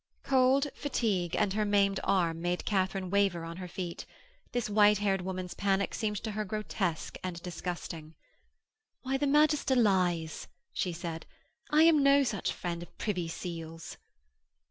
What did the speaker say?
Cold, fatigue, and her maimed arm made Katharine waver on her feet. This white haired woman's panic seemed to her grotesque and disgusting. 'Why, the magister lies,' she said. 'I am no such friend of Privy Seal's.'